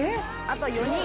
あと４人。